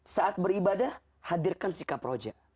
saat beribadah hadirkan sikap roja